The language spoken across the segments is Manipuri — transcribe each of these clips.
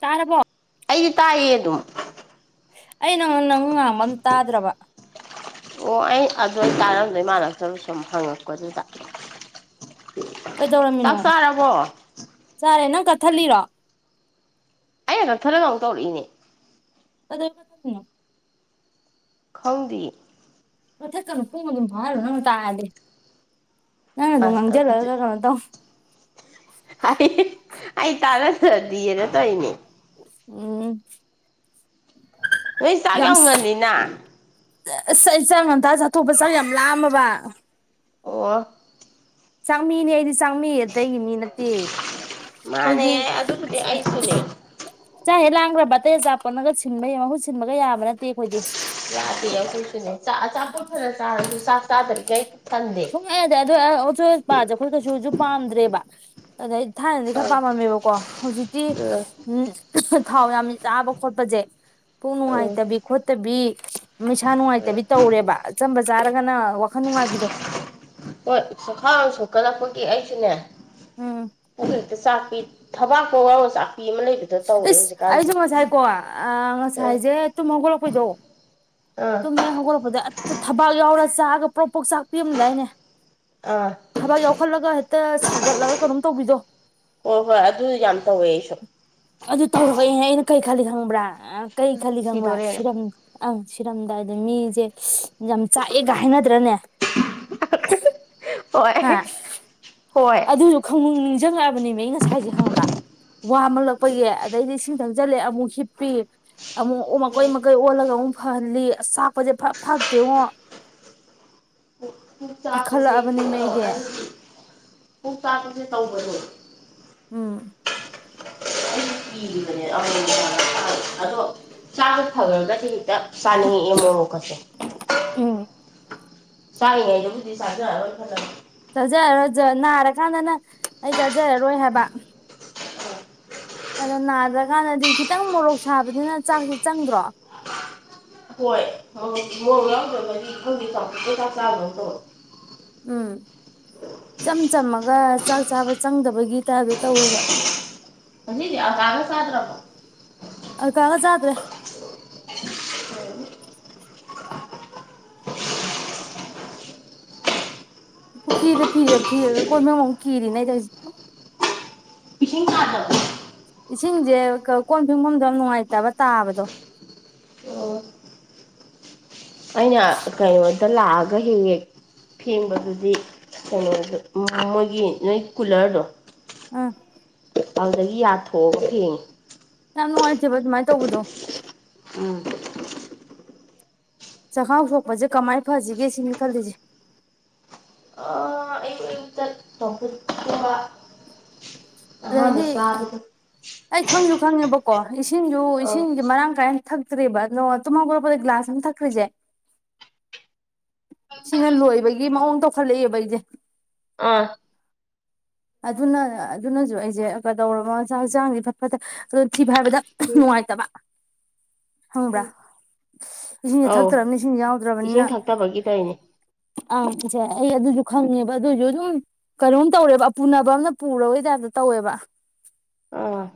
ꯇꯥꯔꯔꯕꯣ ꯑꯩꯗꯤ ꯇꯥꯛꯌꯦ ꯑꯗꯨꯝ ꯑꯩ ꯅꯪꯉꯣꯟ ꯅꯪꯉꯨ ꯉꯥꯡꯕ ꯑꯗꯨꯝ ꯇꯥꯗ꯭ꯔꯕ ꯑꯣ ꯑꯩ ꯑꯗꯨ ꯑꯣꯏ ꯇꯥꯔꯝꯗꯣꯏ ꯏꯃꯂꯛꯇ ꯁꯨꯝ ꯍꯪꯉꯛꯄꯗꯨꯗ ꯆꯥꯛ ꯀꯩꯗꯧꯔꯝꯃꯤꯅꯣ ꯆꯥꯔꯕꯣ ꯆꯔꯦ ꯅꯪ ꯊꯂꯤꯔꯣ ꯑꯩ ꯍꯗꯛꯊꯔ ꯑꯃꯨꯛ ꯇꯧꯔꯛꯏꯅꯦ ꯀꯅ ꯈꯪꯗꯦ ꯀꯊ ꯇ ꯐꯣꯡ ꯃ ꯑꯗꯨꯝ ꯐꯔ ꯅ ꯇꯥꯗꯦ ꯅ ꯅꯅꯨꯡ ꯑꯁ ꯉꯪꯖꯦ ꯂꯒ ꯀ ꯇ ꯑ ꯑꯩ ꯇꯔꯁꯨꯗꯤꯅ ꯇ ꯑꯅꯦ ꯎꯝ ꯅꯣꯏ ꯆꯥꯛ ꯌꯥꯝ ꯉꯜꯂꯤꯅ ꯑꯁ ꯑꯩ ꯆꯥꯡ ꯉꯟꯇꯥ ꯆꯥꯠꯊꯣꯛꯄ ꯆꯥꯡ ꯌꯥꯝ ꯂꯥꯝꯃꯕꯥ ꯑꯣ ꯆꯃꯤꯅꯦ ꯑꯩꯗꯤ ꯆꯥꯡꯃꯤ ꯑꯇꯩꯒꯤ ꯃꯤ ꯅꯠꯇꯦ ꯃꯥꯅꯦ ꯑꯩꯈꯣꯏꯒꯤ ꯑꯗꯨꯕꯨꯗꯤ ꯑꯩꯁꯨꯅꯦ ꯆꯥ ꯍꯪꯛ ꯂꯥꯝ ꯈꯔꯕꯥ ꯕꯥ ꯑꯇꯩ ꯑꯆꯥꯄꯣꯟꯅꯒ ꯁꯤꯟꯕꯒꯤ ꯃꯍꯨꯠ ꯁꯤꯟꯕꯒ ꯌꯥꯕ ꯅꯠ ꯌꯥꯗ‌ꯦ ꯑꯈ‌ꯣꯏꯁꯨꯅ‌ꯦ ꯆꯥꯄ‌ꯣꯠ ꯐꯅꯥ ꯆꯥꯔꯁꯨ ꯆꯥ ꯆꯥꯗꯔꯤꯒꯩꯏ ꯁꯨꯪꯌꯥ ꯌꯥꯗꯔꯦ ꯑꯗꯨ ꯑꯆꯣꯏ ꯑꯄꯥꯁꯦ ꯑꯩꯈꯣꯏ ꯀꯩꯁꯨꯁ ꯄꯥꯝꯗ꯭ꯔꯦꯕ ꯑꯗꯩ ꯊꯥꯏꯅꯗꯤ ꯈꯔ ꯑꯥ ꯄꯥꯝꯃꯝꯃꯦꯕꯀꯣ ꯍꯧꯖꯤꯛꯇꯤ ꯑꯥ ꯊꯥꯎ ꯌꯥꯝꯅ ꯆꯥꯕ ꯈꯣꯠꯄꯁꯦ ꯑꯥ ꯄꯨꯡꯅꯨꯡꯋꯥꯥꯏꯇꯕꯤ ꯈꯣꯠꯇꯕꯤ [inaudible] ꯃꯩꯁꯥ ꯑꯥ ꯅꯨꯡꯉꯥꯏꯇꯕꯤ ꯇꯧꯔꯦꯕ ꯑꯆꯝꯕꯥ ꯆꯥꯔꯒꯅꯥ ꯋꯥꯈꯜ ꯅꯨꯡꯉꯥꯏꯕꯤꯗꯣ ꯍꯣꯏ ꯁꯈꯥꯡ ꯁꯣꯛꯀꯗꯄꯒꯤ ꯑꯩꯁꯩꯅꯦ ꯎꯝ ꯄꯨꯠꯇ ꯁꯥꯛ ꯊꯕꯥꯛꯄꯣꯔ ꯑꯣ ꯆꯥ ꯏꯁꯁ ꯑꯩꯁꯨ ꯉꯁꯥꯏꯀꯣ ꯑꯥ ꯉꯁꯥꯏꯁꯦ ꯇꯨꯝ ꯍꯧꯒꯠꯂꯛꯄꯩꯗꯣ ꯇꯨ ꯑꯥ ꯍ‌ꯦꯛ ꯍꯒꯂꯛꯄꯗ ꯑꯠ ꯊꯕꯥꯛ ꯌꯥꯎꯔꯥ ꯆꯥꯛꯑꯥ ꯄ꯭ꯔꯣꯝꯄꯔ‌ꯩꯛ ꯆꯥꯛ ꯄꯤꯔꯝꯗꯥꯏꯅꯦ ꯑꯥ ꯊꯕꯛ ꯌꯥꯎꯈꯠꯂꯒ ꯍꯦꯛꯇ ꯁꯥꯒꯠꯂꯒ ꯀꯩꯅꯣꯝ ꯇꯧꯕꯤꯗꯣ ꯍꯣꯏ ꯍꯣꯏ ꯑꯗꯨ ꯌꯥꯝ ꯇꯧꯋꯦ ꯑꯩꯁꯨ ꯑꯗꯨ ꯇꯧꯔꯛꯑꯦꯅꯦ ꯑꯩꯅ ꯀꯩ ꯅꯪꯗꯤ ꯈꯪꯕ꯭ꯔꯥ ꯑ ꯀꯩ ꯈꯜꯂꯤ ꯈꯪꯕ ꯁꯤꯗꯣꯔꯦꯅ ꯁꯤꯔꯝ ꯑꯪ ꯁꯤ ꯁꯤꯔꯝꯗꯥꯏꯗ ꯃꯤꯁꯦ ꯌꯥꯝ ꯆꯥꯛꯑꯦꯒ ꯍꯥꯏꯅꯗ꯭ꯔꯅꯦ ꯍꯣꯏ ꯍꯣꯏ ꯑꯗꯨ ꯈꯪꯅꯤꯡ [inaudible] ꯅ‌ꯦꯃꯤ ꯑꯩ ꯉꯥꯏꯁꯦ ꯋꯥꯂꯛꯄꯒꯤ ꯑꯗꯗꯤ ꯁꯤ ꯏꯁꯤꯡ ꯊꯪꯖꯤꯜꯂꯦ ꯑꯃꯨꯛ ꯍꯤꯞꯄꯤ ꯑꯃꯨꯛ ꯑꯣ ꯃꯀꯩ ꯃꯩꯀꯏ ꯑꯣꯂꯒ ꯐꯍꯜꯂꯤ ꯑꯆꯥꯛꯄꯁꯦ ꯐ-ꯐꯠꯇꯦꯉꯣ꯫ ꯄꯨꯛ ꯄꯨꯛ ꯆꯥꯛꯄꯁꯦ ꯀꯤꯈꯠꯂꯛꯑꯕꯅꯦꯃꯤ ꯀꯣꯛꯂꯑꯣ ꯑꯩꯗꯤ ꯑꯗꯨꯗꯤ ꯄꯨꯛ ꯇꯥꯛꯄꯁꯦ ꯇꯧꯕꯗꯣ꯫ ꯎꯝ [unintelligible] ꯑꯗꯣ ꯆꯥ ꯐꯒꯔꯒꯗꯤ ꯍꯤꯛꯇ꯫ ꯆꯥꯅꯤꯉꯤ ꯑꯦ ꯃꯣꯔꯣꯛꯀꯁꯦ꯫ ꯎꯝ ꯆꯥꯔꯥꯉꯩꯗꯕꯨꯗꯤ ꯆꯥꯖꯑꯔꯣꯏ ꯈꯜꯂꯒ꯫ ꯆꯥꯖꯔꯔꯣꯏ ꯅꯥꯔꯀꯥꯟꯗꯅ ꯑꯩ ꯆꯥꯖꯔꯔꯣꯏ ꯍꯥꯏꯕ꯫ ꯑꯗꯣ ꯅꯥꯗ꯭ꯔꯀꯥꯟꯗꯗꯤ ꯈꯤꯇꯪ ꯃꯣꯔꯣꯛ ꯁꯥꯕꯁꯤꯅ ꯆꯥꯛꯁꯤ ꯆꯪꯗ꯭ꯔꯣ꯫ ꯍꯣꯏ ꯃꯣꯔꯣꯛ ꯃꯣꯔꯣꯛ ꯌꯥꯎꯗ꯭ꯔꯒꯗꯤ ꯈꯪꯗꯦ ꯆꯥꯎꯇꯛꯅ ꯆꯥꯛ ꯆꯥꯕꯗꯧ ꯇꯧꯋꯦ꯫ ꯎꯝ ꯏꯆꯝ ꯆꯝꯃꯒ ꯆꯥꯛ ꯆꯥꯕ ꯆꯪꯗꯕꯒꯤ ꯇꯥꯏꯞꯇ ꯇꯧꯋꯦꯕ꯫ ꯉꯁꯤꯗꯤ ꯑꯀꯥꯒ ꯆꯗ꯭ꯔꯔꯕꯣ꯫ ꯑꯀꯥꯒ ꯆꯥꯗ꯭ꯔꯦ꯫ ꯄꯨꯈꯤꯗ ꯐꯤꯌꯦ ꯐꯤꯔ꯫ ꯑꯣ ꯅꯪꯃꯑꯣꯡ ꯀꯤꯔꯤꯅꯦ ꯑꯩꯗꯤ ꯍꯧꯖꯤ꯫ ꯏꯁꯤꯡ ꯊꯥꯗ [unintelligible] ꯏꯁꯤꯡꯁꯦ ꯀꯣꯟ ꯐꯦꯡꯐꯝꯗꯣ ꯅꯨꯡꯉꯥꯏꯇꯕ ꯇꯥꯕꯗꯣ꯫ ꯑꯣ ꯑꯩꯅ ꯀꯩꯕ ꯇ ꯂꯥꯛꯑꯒ ꯍꯦꯛ ꯍꯦꯛ ꯐꯦꯡꯕꯗꯨꯗꯤ ꯀꯩꯅꯣꯗꯨ ꯃꯣꯏꯒꯤ ꯅꯣꯏ ꯀꯨꯂ꯭ꯔꯗꯣ꯫ ꯑꯝ꯫ ꯑꯗꯨꯗꯒꯤ ꯌꯥꯊꯣꯛꯑꯒ ꯐꯦꯡꯉꯦ꯫ ꯌꯥꯝ ꯅꯨꯉꯥꯏꯇꯦꯕ ꯑꯗꯨꯃꯥꯥꯏ ꯇꯧꯕꯗꯣ꯫ ꯎꯝ꯫ ꯆꯥꯛꯈꯥꯎ ꯁꯣꯛꯄꯁꯦ ꯀꯃꯥꯏꯅ ꯐꯁꯤꯒꯦ ꯁꯤꯅꯤ ꯈꯜꯂꯤꯁꯦ꯫ ꯑꯥ ꯑꯌꯨꯛ ꯑꯌꯨꯛꯇ ꯆꯝꯐꯨꯠꯀꯨꯝꯕ ꯑꯍꯥꯟꯕ ꯑꯗꯩꯗꯤ ꯆꯥꯕꯗ꯫ ꯑꯩ ꯈꯪꯁꯨꯨ ꯈꯪꯉꯦꯕꯀꯣ ꯏꯁ ꯏꯁꯤꯡꯁꯨ ꯑꯥ ꯏꯁꯤꯡꯁꯦ ꯃꯔꯥꯡ ꯀꯥꯏꯅ꯫ ꯊꯛꯇ꯭ꯔꯦꯕ ꯅꯣ ꯇꯨꯝꯍꯧꯒꯠꯂꯛꯄꯗ ꯒ꯭ꯂꯥꯁ ꯑꯃ ꯊꯛꯈ꯭ꯔꯤꯁꯦ ꯁꯤꯅ ꯂꯣꯏꯕꯒꯤ ꯃꯑꯣꯡ ꯇꯧꯈꯠꯂꯛꯑꯦꯕ ꯑꯩꯁꯦ꯫ ꯑꯥ꯫ ꯑꯗꯨꯅ ꯑꯗꯨꯅꯁꯨ ꯑꯩꯁꯦ ꯀꯩꯗꯧꯔꯕꯅꯣꯁꯥꯛ ꯍꯛꯆꯥꯡꯁꯦ ꯏꯐꯠ ꯐꯠꯇꯦ ꯑꯗꯨ ꯊꯤ ꯊꯤꯐꯥꯏꯕꯗ ꯎꯝ ꯅꯨꯡꯉꯥꯏꯇꯕ꯫ ꯈꯪꯕ꯭ꯔꯥ꯫ ꯎꯝ ꯏꯁꯤꯡꯁꯦ ꯑꯧ ꯊꯛꯇ꯭ꯔꯕꯅꯤꯅ ꯏꯁꯤꯡꯁꯦ ꯌꯥꯎꯗ꯭ꯔꯕꯅꯤꯅ ꯏꯁꯤꯡ ꯊꯛꯇꯕꯒꯤ ꯇꯧꯔꯤꯅꯦ ꯑꯪꯁꯦ ꯑꯩ ꯑꯗꯨꯁꯨ꯫ ꯈꯪꯉꯦꯕ ꯑꯗꯨꯏꯁꯨ ꯑꯗꯨꯝ ꯀꯩꯅꯣꯝ ꯇꯧꯔꯦꯕ꯫ ꯄꯨꯅꯕ ꯑꯝꯅ ꯄꯨꯔꯕꯩ ꯇꯥꯏꯞꯇ ꯇꯧꯋꯦꯕ꯫ ꯑꯥ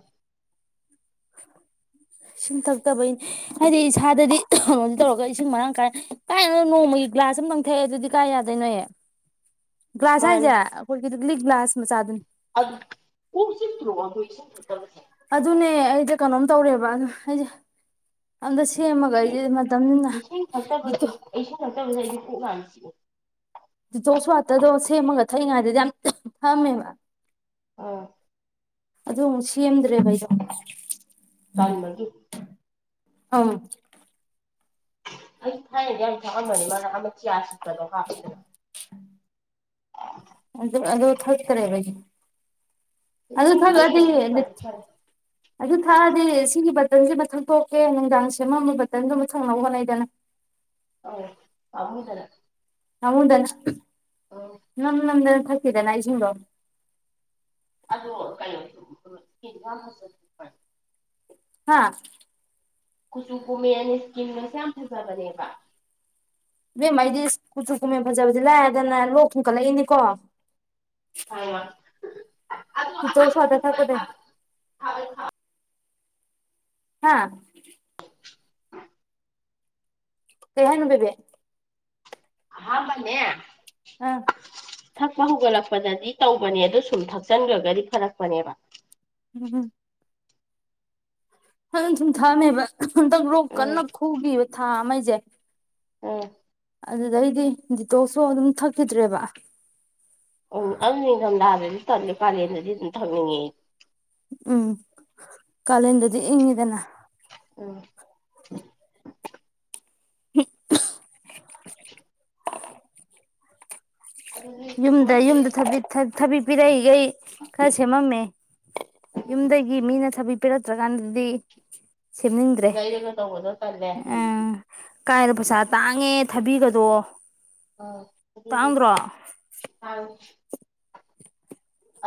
[inaudible] ꯏꯁꯤꯡ ꯊꯛꯇꯕꯩ ꯍꯥꯏꯗꯤ ꯏꯁꯥꯗꯗꯤ [unintelligible] ꯅꯣꯗꯤ ꯇꯧꯔꯒ ꯏꯁꯤꯡ ꯃꯔꯥꯡ ꯀꯥꯏ ꯀꯥꯏꯗꯅꯣ ꯅꯣꯡꯃꯒꯤ ꯒ꯭ꯂꯥꯁ ꯑꯃ ꯂꯪꯊꯛꯑꯦ ꯑꯗꯨꯗꯤ ꯀꯥꯏ ꯌꯥꯗꯣꯏꯅꯣꯍꯦ꯫ ꯒ꯭ꯂꯥꯁ ꯍꯥꯏꯖꯦ꯫ ꯂꯤꯛꯂꯤ ꯒꯤꯂꯥꯁ ꯃꯆꯥꯗꯨꯅꯤ꯫ ꯑꯠ ꯀꯣꯛꯆꯤꯛꯇꯔꯣ ꯑꯗꯣ ꯏꯁꯤꯡ [unintelligible] ꯀꯅꯣꯝ ꯇꯧꯔꯦꯕ ꯕ ꯑꯩꯖꯦ ꯑꯝꯗ [unintelligible] [unintelligible] ꯏꯁꯤꯡ ꯊꯛꯇꯕꯁꯤ ꯏꯁꯤꯡ ꯊꯛꯇꯕꯖꯦ ꯑꯩꯗꯤ ꯀꯣꯛ ꯌꯥꯝ ꯆꯤꯛꯏ ꯗꯤꯇꯣꯛꯁ ꯋꯥꯠꯇꯔꯗꯣ ꯁꯦꯝꯃꯒ ꯊꯛꯏꯉꯩꯗꯗꯤ ꯌꯥꯝ ꯊꯛꯑꯝꯃꯦꯕ꯫ ꯑꯥ꯫ ꯑꯗꯨ ꯑꯃꯨꯛ ꯁꯦꯝꯗ꯭ꯔꯦꯕ ꯑꯩꯗꯣ꯫ ꯇꯟꯕꯒꯤ꯫ ꯑꯝ꯫ ꯑꯩ ꯊꯥꯏꯅꯗꯤ ꯌꯥꯝ ꯊꯛꯑꯝꯕꯅꯤ ꯃꯥꯔꯛ ꯑꯃ ꯒꯌꯥꯁ ꯀꯩꯅꯣ ꯍꯥꯞꯄꯤꯗꯅ꯫ ꯑꯗꯨ ꯑꯗꯨ ꯊꯛꯇꯔꯦꯕ ꯑꯩꯖꯦ꯫ ꯑꯗꯨ ꯏꯁꯤꯡ ꯊꯛꯂꯗꯤ ꯊꯥꯏꯔꯤꯉꯩꯗꯤ ꯑꯗꯨ ꯐꯗꯤ ꯐꯔꯦ ꯊꯛꯑꯗꯤ ꯍꯥꯏꯗꯤ ꯁꯤꯒꯤ ꯕꯇꯟꯁꯤꯃ ꯊꯪꯛꯇꯣꯛꯀꯦ ꯅꯨꯡꯗꯥꯡ ꯁꯦꯝꯃꯝꯕ ꯕꯇꯟꯗꯨꯃ ꯊꯛꯅꯕ ꯍꯣꯠꯅꯩꯗꯅ꯫ ꯑꯧ ꯄꯥꯃꯨꯗꯅ꯫ [unintelligible] ꯅꯝ ꯅꯝꯗꯅ ꯊꯛꯇꯦꯗꯅ ꯏꯁꯤꯡꯗꯣ꯫ ꯑꯗꯣ ꯀꯩꯅꯣ [unintelligible] ꯍꯥꯥ꯫ ꯀꯨꯆꯨ ꯀꯣꯃꯦ ꯏꯁꯀꯤꯟꯒꯁꯦ ꯌꯥꯝ ꯐꯖꯕꯅꯦꯕ꯫ ꯏꯕꯦꯝꯃ ꯑꯩꯗꯤ ꯀꯨꯆꯨ ꯀꯨꯝꯃꯩ ꯐꯖꯕꯖꯦ ꯂꯥꯏꯔꯗꯅ ꯂꯣꯛ ꯊꯨꯡꯀꯠꯂꯛꯏꯅꯤꯀꯣ꯫ ꯑꯌꯥ ꯗꯤꯇꯣꯛꯁ ꯋꯥꯇꯔ ꯊꯛꯄꯅꯦ꯫ ꯍꯥꯥ꯫ ꯀꯩꯍꯥꯏꯅꯣ ꯕꯦꯕꯦ꯫ ꯑꯍꯥꯝꯕꯅꯦ ꯑꯥ ꯊꯛꯄ ꯍꯧꯒꯠꯂꯛꯄꯗꯗꯤ ꯇꯧꯕꯅꯦ ꯑꯗꯨ ꯁꯨꯝ ꯊꯛꯆꯟꯒ꯭ꯔꯒꯗꯤ ꯐꯔꯛꯄꯅꯦꯕ꯫ [unintelligible] ꯍꯩ ꯍꯩ ꯊꯨꯝ ꯊꯥꯛꯑꯃꯦꯕ ꯍꯟꯇꯛ ꯔꯣꯛ ꯎꯝ ꯀꯟꯅ ꯈꯨꯒꯤꯕ ꯊꯥ ꯑꯃ ꯑꯩꯖꯦ꯫ ꯎꯝ ꯑꯗꯨꯗꯩꯗꯤ ꯗꯤꯇꯣꯛꯁꯨ ꯑꯗꯨꯝ ꯊꯛꯈꯤꯗ꯭ꯔꯦꯕ꯫ ꯎꯝ ꯑꯗꯨ ꯅꯤꯡꯗꯝ ꯇꯜꯂꯦ ꯀꯥꯂꯦꯟꯗꯗꯤ ꯑꯗꯨꯝ ꯊꯛꯅꯤꯡꯉꯦ꯫ ꯎꯝ ꯀꯥꯂꯦꯟꯗꯗꯤ ꯏꯪꯉꯤꯗꯅ꯫ ꯑꯣ [unintelligible] ꯑꯗꯨꯗꯤ ꯌꯨꯝꯗ ꯀꯣꯟꯁꯦ ꯌꯨꯝꯗ ꯊꯕꯤ ꯊ ꯊꯕꯤ ꯄꯤꯔꯛꯏꯒꯩ ꯈꯔ ꯁꯦꯝꯃꯝꯃꯦ ꯌꯨꯝꯗꯒꯤ ꯃꯤꯅ ꯊꯕꯤ ꯄꯤꯔꯛꯇ꯭ꯔ ꯀꯥꯟꯗꯗꯤ ꯂꯩꯔꯒ ꯇꯧꯒꯗ ꯎꯝ ꯀꯥꯏꯗ ꯄꯩꯁꯥ ꯇꯥꯡꯉꯦ ꯊꯥꯕꯤꯒꯗꯣ ꯑꯣ [unintelligible]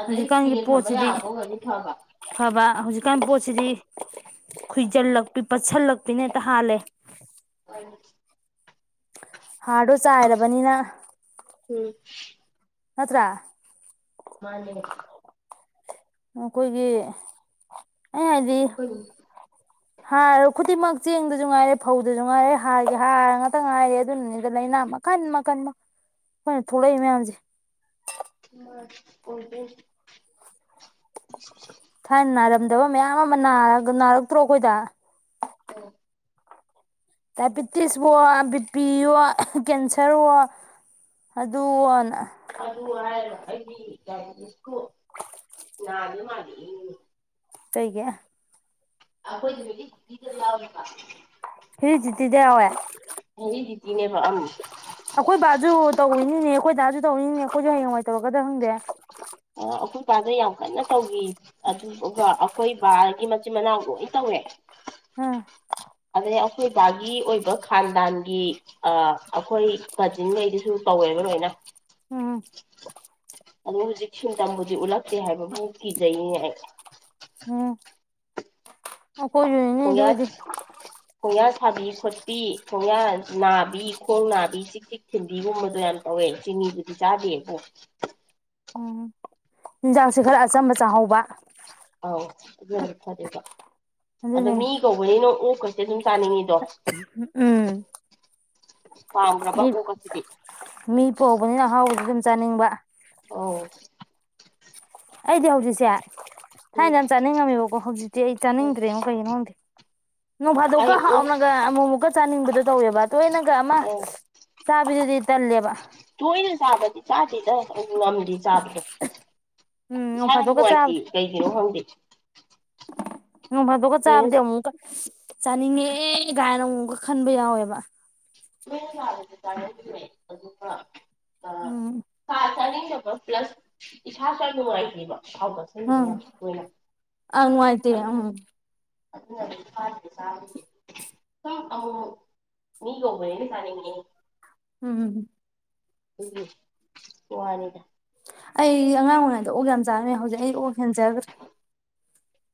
ꯍꯧꯖꯤꯛꯀꯥꯟꯒꯤ ꯀꯨꯏꯅ ꯊꯝꯕ ꯄꯣꯠꯁꯤꯗꯤ ꯌꯥꯕ ꯑꯣꯏꯔꯗꯤ ꯐꯕ ꯑꯐꯥꯕ ꯍꯧꯖꯤꯛꯀꯥꯟ ꯄꯣꯠꯁꯤꯗꯤ ꯈꯨꯏꯖꯤꯜꯂꯛꯄꯤ ꯄꯠꯁꯤꯜꯂꯛ ꯄꯤꯅ ꯍꯦꯛꯇ ꯍꯥꯜꯂꯦ ꯍꯥꯔꯗꯣ ꯆꯥꯏꯔꯕꯅꯤꯅ ꯎꯝ ꯅꯠꯇ꯭ꯔꯥꯥ ꯃꯥꯟꯅꯦ ꯑꯈꯣꯏꯒꯤ ꯎ ꯍꯥꯔ ꯈꯨꯗꯤꯡꯃꯛ ꯆꯦꯡꯗꯖꯨ ꯉꯥꯏꯔꯦ ꯐꯧꯗꯖꯨ ꯉꯥꯏꯔꯦ ꯍꯥꯔꯒꯤ ꯍꯥꯔ ꯉꯥꯛꯇ ꯉꯥꯏꯔꯦ ꯑꯗꯨꯅꯅꯤꯗ ꯂꯩꯅꯥ ꯃꯈꯟ ꯃꯈꯟꯅꯤ ꯑꯩꯈꯣꯏꯅ ꯊꯣꯛꯂꯛꯏ ꯃꯌꯥꯝꯖꯦ ꯑ ꯑꯣꯏꯗꯣꯏꯅꯦ ꯊꯥꯏꯅ ꯅꯥꯔꯝꯗꯕ ꯃꯌꯥꯝ ꯑꯃ ꯅꯥꯔꯒ ꯅꯥꯔꯛꯇ꯭ꯔꯣ ꯑꯩꯈꯣꯏꯗ ꯑꯧ ꯗꯥꯏꯕꯤꯇꯤꯁꯕꯨꯑꯣ ꯕꯤ ꯄꯤ ꯑꯣ ꯀꯦꯟꯁꯔꯑꯣ ꯑꯗꯨꯑꯣ ꯅ ꯑꯗꯨ ꯍꯥꯏꯔꯒ ꯑꯩꯗꯤ ꯗꯥꯏꯕꯤꯇꯤꯁꯕꯨ ꯅꯥꯕ ꯃꯥꯜꯂꯛꯏꯅꯤ ꯀꯩꯒꯤ ꯑꯈꯣꯏꯗꯨꯗꯒꯤ [unintelligible] ꯍꯦꯔꯤꯗꯤꯇꯤꯗ ꯌꯥꯎꯋꯦ ꯍꯦꯔꯤꯗꯤꯇꯤꯅꯦꯕ ꯎꯝ ꯇꯧꯔꯤꯅꯤꯅꯦ ꯑꯩꯈꯣꯏ ꯗꯥꯁꯨ ꯇꯧꯔꯤꯅꯤꯅꯦ ꯑꯩꯈꯣꯏꯁꯨ ꯍꯥꯌꯦꯡꯋꯥꯏ ꯇꯧꯔꯛꯀꯗ꯭ꯔ ꯈꯪꯗꯦ ꯄꯥꯗ ꯌꯥꯝ ꯀꯟꯅ ꯇꯧꯈꯤ ꯑꯗꯨꯒ ꯑꯩꯈꯣꯏ ꯕꯥꯒꯤ ꯃꯆꯤꯟ ꯃꯅꯥꯎ ꯂꯣꯏ ꯇꯧꯋꯦ ꯎꯝ ꯑꯗꯩ ꯑꯩꯈꯣꯏ ꯕꯥꯒꯤ ꯑꯣꯏꯕ ꯈꯥꯟꯗꯥꯟꯒꯤ ꯑ ꯑꯩꯈꯣꯏ ꯀꯖꯤꯟꯉꯩꯗꯨꯁꯨ ꯇꯧꯋꯦꯕ ꯂꯣꯏꯅ ꯎꯝ ꯑꯗꯨ ꯍꯧꯖꯤꯛ ꯁꯤꯝꯇꯝꯕꯨꯗꯤ ꯎꯠꯂꯛꯇꯦ ꯍꯥꯏꯕꯕꯨꯨ ꯀꯤꯖꯩꯅꯦ ꯑꯩ ꯑꯩꯈꯣꯏꯖꯨꯅꯤꯅꯦ ꯈꯣꯡꯌꯥ ꯑꯗꯨꯕꯨꯗꯤ ꯈꯣꯡꯌꯥ ꯁꯥꯕꯤ ꯈꯣꯠꯄꯤ ꯈꯣꯡꯌꯥ ꯅꯥꯕꯤ ꯈꯣꯡ ꯅꯥꯕꯤ ꯆꯤꯛꯄꯤ ꯊꯤꯟꯕꯤꯒꯨꯝꯕꯗꯣ ꯌꯥꯝ ꯇꯧꯋꯦ ꯆꯤꯅꯤꯕꯨꯗꯤ ꯆꯥꯗꯦꯕꯨ ꯎꯝ ꯆꯤꯟꯖꯥꯛꯁꯦ ꯈꯔ ꯑꯆꯝꯕ ꯆꯥꯍꯧꯕ ꯑꯧ ꯑꯗꯨꯅꯗꯤ ꯐꯥꯗꯣꯏꯕ ꯑꯗꯣ ꯑꯗꯨꯅꯦ ꯃꯤ ꯀꯧꯕꯅꯤꯅ ꯑꯣꯛ ꯀꯥꯁꯦ ꯑꯗꯨꯝ ꯆꯥꯅꯤꯡꯉꯤꯗꯣ ꯎꯝ ꯄꯥꯝꯈ꯭ꯔꯕ ꯃꯤ ꯑꯣꯛ ꯀꯥꯁꯤꯗꯤ ꯃꯤ ꯄꯣꯛꯎꯕꯅꯤꯅ ꯑꯍꯥꯎꯕꯁꯨ ꯑꯗꯨꯝ ꯆꯥꯅꯤꯡꯕ ꯑꯧ ꯑꯩꯗꯤ ꯍꯧꯖꯤꯛꯁꯦ ꯎꯝ ꯊꯥꯏꯅꯗꯤ ꯌꯥꯝ ꯆꯥꯅꯤꯡꯉꯝꯃꯦꯕꯀꯣ ꯍꯧꯖꯤꯛꯇꯤ ꯑꯩ ꯎꯝ ꯆꯥꯅꯤꯡꯗ꯭ꯔꯦꯉꯣ ꯀꯩꯒꯤꯅꯣ ꯈꯪꯗꯦ ꯅꯣꯡꯐꯥꯗꯣꯛꯀ ꯑꯩ ꯑꯣꯛ ꯍꯥꯎꯅꯒ ꯑꯃꯨꯛꯃꯨꯛꯀ ꯆꯥꯅꯤꯡꯕꯗꯨꯗꯤ ꯇꯧꯋꯦꯕ ꯇꯣꯏꯅꯒ ꯑꯃ ꯑꯧ ꯆꯥꯕꯤꯗꯨꯗꯤ ꯇꯜꯂꯦꯕ ꯇꯣꯏꯅ ꯆꯥꯕꯗꯤ ꯆꯥꯗꯦꯗ ꯉꯝꯗꯦ ꯆꯥꯕꯗꯣ ꯎꯝ ꯅꯣꯡ ꯏꯁꯥꯅ ꯐꯥꯗꯣꯛꯀ ꯅꯨꯡꯉꯥꯏꯇꯦ ꯆꯥꯕꯗꯤ ꯀꯩꯒꯤꯅꯣ ꯈꯪꯗꯦ ꯇꯣꯏꯅ [unintelligible] ꯆꯥꯅꯤꯡꯉꯦ ꯒꯥꯏꯅ ꯑꯃꯨꯛꯀ ꯈꯟꯕ ꯌꯥꯎꯋꯦꯕ ꯑꯗꯨꯗꯤ ꯇꯔꯒꯦ ꯑꯗꯨꯃ ꯎꯝ [unintelligible] ꯄ꯭ꯂꯁ ꯏꯁꯥꯁꯨ ꯌꯥꯝ ꯅꯨꯡꯉꯥꯏꯕ ꯎꯝ ꯍꯥꯎꯕꯁꯔ ꯀꯣꯏꯅ ꯑꯪ ꯅꯨꯡꯉꯥꯏꯇꯦ ꯎꯝ ꯑꯗꯨ ꯁꯥ ꯅꯤ ꯆꯥꯅꯤꯡꯉꯦ ꯎꯝ [unintelligible] ꯑꯩ ꯑꯉꯥꯡ ꯑꯣꯏꯔꯤꯉꯩꯗ ꯑꯣꯛ ꯌꯥꯝ ꯆꯥꯔꯝꯃꯦ ꯍꯧꯖꯤꯛ ꯑꯩ ꯑꯣꯛ ꯍꯦꯟꯖꯈ꯭ꯔꯦ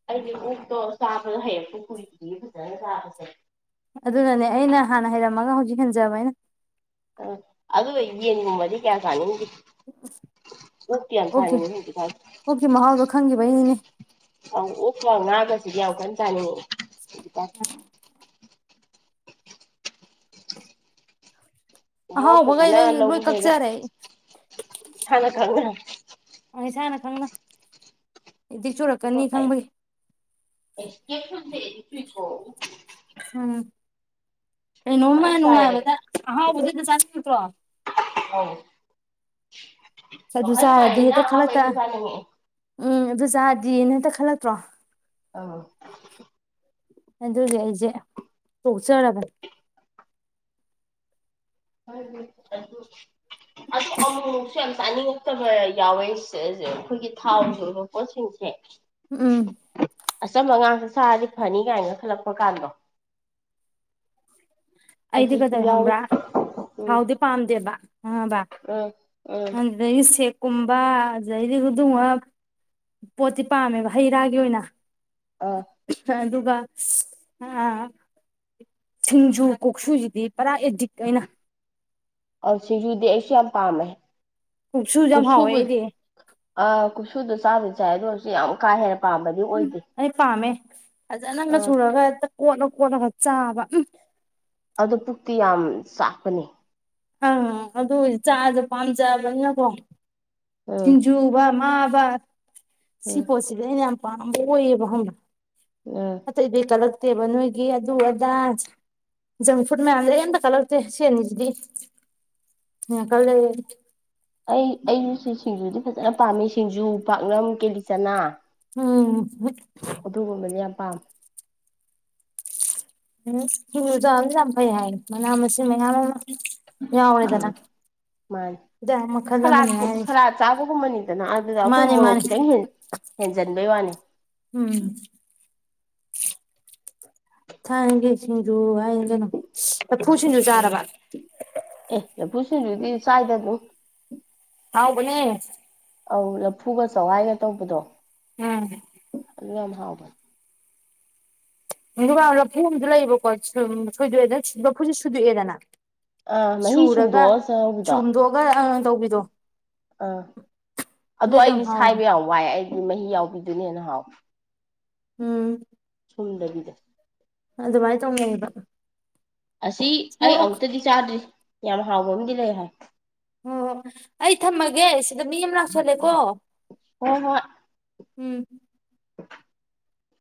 ꯑꯩꯗꯤ ꯑꯣꯛꯇꯣ ꯆꯥꯕꯗ ꯍꯔꯞꯄꯨ ꯀꯨꯏꯗꯤ ꯐꯖꯅ ꯆꯥꯕꯁꯦ ꯑꯗꯨꯅꯅꯦ ꯑꯩꯅ ꯍꯥꯟꯅ ꯍꯩꯔꯝꯃꯒ ꯍꯧꯖꯤꯛ ꯍꯦꯟꯖꯕꯩꯅ ꯑ ꯑꯗꯨ ꯑꯩꯅꯤ ꯎꯃꯗꯤ ꯀꯌꯥ ꯈꯥꯅꯤꯡꯗꯤ ꯀꯌꯥ ꯄ ꯑꯣꯛꯀꯤ ꯑꯣꯛꯀꯤ ꯃꯍꯥꯎꯗꯣ ꯈꯪꯈꯤꯕꯩꯅꯤꯅꯦ ꯍ ꯎꯐꯅꯥꯒ ꯌꯥꯎꯒꯟ ꯇꯅꯤ ꯎꯝ ꯑꯍꯥꯎꯕꯈꯩꯗꯣ ꯑꯩ ꯂꯣꯏ ꯀꯛꯆꯔꯦ ꯑꯩ [unintelligible] ꯑꯩ ꯏꯁꯥꯅ ꯈꯪꯅ ꯑꯦꯗꯤꯛ ꯆꯨꯔꯛꯀꯅꯤ ꯈꯪꯕꯒꯤ [unintelligible] ꯑꯩ ꯅꯣꯡꯃ ꯐꯖꯅ ꯆꯥꯏꯌꯦ ꯑꯩ ꯅꯨꯡꯉꯥꯏꯕꯗ ꯑꯍꯥꯎꯕꯗꯨ ꯆ ꯠꯇ꯭ꯔ [unintelligible] ꯑꯥꯎ ꯑꯗꯨ ꯆꯥꯔꯗꯤ ꯍꯦꯛꯇ ꯈꯂꯛꯇ ꯆꯥꯅꯤꯡꯉꯛꯑꯦ ꯎꯝ ꯑꯗꯨ ꯆꯥꯔꯗꯤ ꯅꯦꯠꯇ ꯈꯜꯂ ꯇ꯭ꯔꯣ ꯑꯗꯨꯒꯤ ꯑꯩꯁꯦ ꯄꯣꯛꯆꯔꯕꯅꯤ ꯑ ꯑꯃꯨꯛꯃꯨꯛꯁꯨ ꯌꯥꯝ ꯆꯥꯅꯤꯡꯉꯛꯇꯕ ꯌꯥꯎꯋꯦ ꯑꯩꯈꯣꯏꯒꯤ ꯊꯥꯎꯒꯤ ꯑꯣꯏꯕ ꯄꯣꯠꯁꯤꯡꯁꯦ ꯎꯝ ꯑꯆꯝꯕ ꯑꯉꯥꯡꯁꯦ ꯁꯥꯔꯗꯤ ꯐꯅꯤ ꯀꯥꯏꯅ ꯈꯜꯂꯛꯄ ꯀꯥꯟꯗꯣ ꯑꯩꯗꯤ ꯑꯗꯨꯁꯨ ꯀꯗꯧ ꯌꯥꯎꯋꯤ ꯈꯕ꯭ꯔꯥ ꯎꯝ ꯊꯥꯎꯗꯤ ꯄꯥꯝꯗꯦꯕ ꯑꯕ ꯎꯝ ꯎꯝ ꯑꯗꯨꯗꯒꯤ ꯁꯦꯛ ꯀꯨꯝꯕꯥ [unintelligible] ꯄꯣꯠꯇꯤ ꯄꯥꯝꯃꯦꯕ ꯍꯩ ꯔꯥꯒꯤ ꯑꯣꯏꯅ ꯑꯥ ꯑꯗꯨꯒ ꯁꯤꯡꯖꯨ ꯀꯣꯛꯁꯨꯖꯤꯗꯤ ꯑꯁꯤꯒꯤꯗꯤ ꯑꯩꯁꯤ ꯌꯥꯝ ꯄꯥꯝꯃꯦ ꯀꯣꯛꯁꯨꯁꯨ ꯌꯥꯝ ꯍꯥꯎꯋꯦ ꯀꯨꯁꯨꯕ ꯑꯩꯗꯤ ꯑꯥ ꯀꯨꯁꯨꯕ ꯆꯔꯥ ꯆꯥꯏ ꯑꯗꯨ ꯑꯣꯏꯁꯨ ꯌꯥꯝ ꯀꯥ ꯍꯦꯟ ꯄꯥꯝꯕꯗꯤ ꯑꯣꯏꯗꯦ ꯁꯤꯍ ꯐꯖꯅꯒ ꯑꯥ ꯁꯨꯔꯒ ꯍꯦꯛꯇ ꯀꯣꯠꯂ ꯀꯣꯠꯂꯒ ꯆꯥꯕ ꯎꯨꯝ‌ ꯑꯗꯣ ꯄꯨꯛꯇꯤ ꯌꯥꯝ ꯆꯥꯛꯄꯅꯤ ꯑꯥ ꯑꯗꯨ ꯆꯥꯑꯁꯦ ꯄꯥꯝꯖꯕꯅꯤꯅꯀꯣ ꯎꯝ ꯁꯤꯡꯖꯨ ꯍꯥꯏꯕ ꯃꯥ ꯍꯥꯏꯕ ꯁꯤ ꯎꯝ ꯄꯣꯁꯗꯦꯅꯤ ꯑꯩꯅ ꯌꯥꯝ ꯄꯥꯝꯕ ꯑꯣꯏꯌꯦꯕ ꯈꯪꯕ꯭ꯔꯥ ꯎꯝ ꯑꯇꯩꯗꯤ ꯀꯂꯛ ꯇꯦꯕ ꯅꯣꯏꯒꯤ ꯑꯗꯨ ꯑꯗꯥ ꯖꯪ ꯐꯨꯗ ꯃꯌꯥꯝ ꯂꯩ ꯑꯝꯇ ꯀꯜꯂꯛꯇꯦ ꯁꯤ ꯑꯅꯤꯁꯤꯗꯤ ꯌꯥꯝ ꯀꯂꯛꯑꯦ ꯑꯩ ꯑꯩꯒꯤꯁꯨ ꯁꯤꯡꯖꯨꯗꯤ ꯐꯖꯅ ꯄꯥꯝꯃꯦ ꯁꯤꯡꯖꯨ ꯄꯥꯛꯅꯝ ꯀꯤꯂꯤꯆꯅꯥ ꯎꯨꯝ ꯄꯥꯝ ꯎꯨꯝ ꯁꯤꯡꯖꯨ ꯆꯥꯕꯁꯤ ꯌꯥꯝ ꯐꯩ ꯍꯥꯏ ꯃꯅꯥ ꯃꯁꯤꯡ ꯃꯌꯥꯝ ꯑꯃ ꯌꯥꯎꯔꯦꯗꯅ ꯎꯨꯝ ꯃꯥꯟꯅꯤ ꯍꯤꯗꯥꯛ ꯃꯈꯜ ꯁꯂꯥꯠ ꯑꯃꯅꯤ ꯍꯥꯏꯔꯤꯁꯦ ꯁꯂꯥꯠ ꯆꯥꯕꯒꯨꯝꯕꯅꯤꯗꯅ ꯑꯗꯨꯗ ꯑꯩꯈꯣꯏ ꯃꯥꯅꯦ ꯃꯣꯔꯣꯛ ꯃꯥꯅꯦ ꯈꯤꯇꯪ ꯍꯦꯟꯖꯟꯕꯩ ꯋꯥꯅꯤ ꯎꯝ ꯊꯥꯡꯒꯥ ꯁꯤꯡꯖꯨ ꯍꯥꯏꯔꯤꯅꯤ ꯀꯩꯅꯣ ꯂꯐꯨ ꯁꯤꯡꯖꯨ ꯎꯝ ꯆꯥꯔꯕ ꯑꯦ ꯂꯐꯨ ꯁꯤꯡꯖꯨꯗꯤ ꯆꯥꯗꯔꯤ ꯍꯥꯎꯕꯅꯦ ꯎꯨꯝ ꯂꯐꯨꯒ ꯆꯥꯋꯥꯏꯒ ꯇꯧꯕꯗꯣ ꯎꯨꯝ ꯑꯗꯨꯝ ꯌꯥꯝ ꯍꯥꯎꯕꯅꯤ ꯏꯟꯗꯦꯔꯥ ꯂꯐꯨ ꯑꯝꯗꯤ ꯂꯩꯌꯦꯕꯀꯣ ꯁꯣꯏꯗꯣꯛꯑꯦꯗꯅ ꯂꯐꯨꯁꯤ ꯁꯨꯗꯣꯛꯑꯦꯗꯅ ꯑꯥ ꯃꯍꯤ ꯁꯨꯝꯗꯣꯛꯑ ꯁꯨꯔꯒ ꯆꯥꯕꯤꯗꯣ ꯆꯨꯝꯗꯣꯛꯑꯒ ꯑꯪ ꯑꯪ ꯇꯧꯕꯤꯗꯣ ꯑꯥ ꯑꯗꯣ ꯑꯗꯨꯁꯨ ꯌꯥꯝ ꯑꯩꯗꯤ ꯍꯥꯎꯋꯦ ꯁꯥꯏꯕ ꯌꯥꯝ ꯋꯥꯏ ꯑꯩ ꯗꯤ ꯃꯍꯤ ꯌꯥꯎꯕꯤꯗꯨꯅ ꯍꯦꯟꯅ ꯍꯥꯎ ꯎꯨꯝ ꯁꯨꯝꯗꯕꯤꯗ ꯑꯗꯨꯃꯥꯥꯏ ꯇꯧꯅꯩꯌꯦꯕ ꯑꯁꯤ ꯑꯩ ꯃꯣꯔꯣꯛ ꯑꯃꯨꯛꯇꯗꯤ ꯆꯥꯗ꯭ꯔꯤ ꯌꯥꯝ ꯍꯥꯎꯕ ꯑꯃꯗꯤ ꯂꯩ ꯍꯥꯏ ꯑꯣ ꯑꯩ ꯊꯝꯃꯒꯦ ꯁꯤꯗ ꯃꯤ ꯑꯃ ꯂꯥꯛꯁꯤꯜꯂꯦꯀꯣ ꯍꫭꯏ ꯍꫭꯏ ꯎꯝ